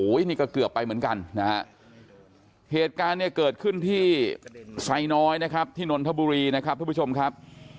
นี่ก็เกือบไปเหมือนกันนะฮะเหตุการณ์เนี่ยเกิดขึ้นที่ไซน้อยนะครับที่นนทบุรีนะครับทุกผู้ชมครับ